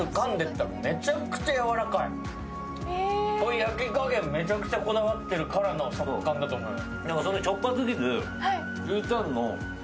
焼き加減、めちゃくちゃこだわってるからの食感だと思います。